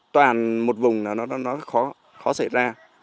toàn một vùng là nó khó xảy ra